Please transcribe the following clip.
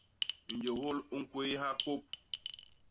Nyôgôl u ñkwéyha kôp.